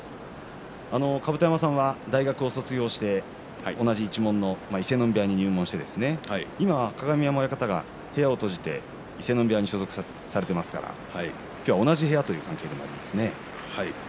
甲山さんは大学を卒業して同じ一門の伊勢ノ海部屋に入門して今、鏡山親方が部屋を閉じて、伊勢ノ海部屋に所属されていますから今日は同じ部屋というそうですね。